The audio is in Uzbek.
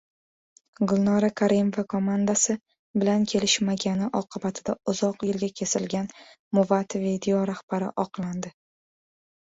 Gulnora Karimova «komandasi» bilan kelishmagani oqibatida uzoq yilga «kesilgan» «Muvad-video» rahbari oqlandi